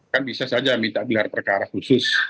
kan bisa saja minta gelar perkara khusus